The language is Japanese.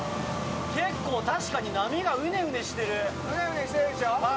結構確かに、波がうねうねしうねうねしてるでしょ。